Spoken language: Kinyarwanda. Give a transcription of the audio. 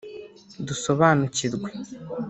Dusobanukirwe